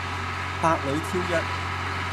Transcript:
百裏挑一